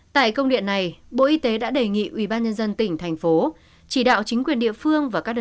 tại công điện này bộ y tế đã đề nghị ubnd tỉnh thành phố chỉ đạo chính quyền địa phương